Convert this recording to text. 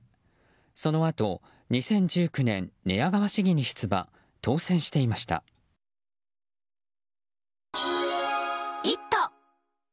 そのあと、２０１９年寝屋川市議に出馬当選していました。